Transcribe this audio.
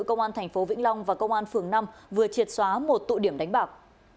công an thành phố vĩnh long và công an phường năm vừa triệt xóa một tụ điểm đánh bạc